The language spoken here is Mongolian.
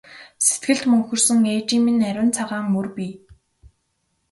Сэтгэлд мөнхөрсөн ээжийн минь ариун цагаан мөр бий!